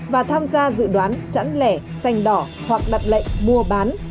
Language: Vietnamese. và tham gia dự đoán chẵn lẻ xanh đỏ hoặc đặt lệnh mua bán